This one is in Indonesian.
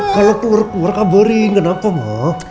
kalau keluar keluar kaburin kenapa mo